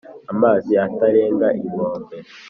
Amazi atararenga inkombe